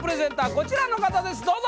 こちらの方ですどうぞ！